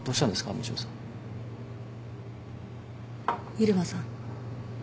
入間さん